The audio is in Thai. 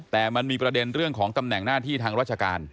แต่มันมีประเด็นเรื่องของตำแหน่งหน้าที่ทางราชการ